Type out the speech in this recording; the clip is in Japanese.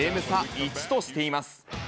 １としています。